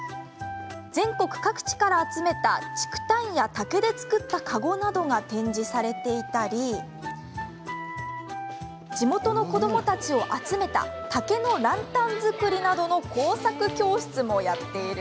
全国各地から集めた竹炭や竹で作ったかごなどが展示されていたり地元の子どもたちを集めた竹のランタン作りなどの工作教室も。